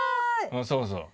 そうそう。